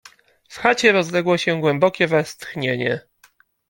W chacie rozległo się głębokie westchnienie.